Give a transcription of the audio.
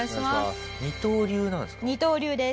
二刀流です。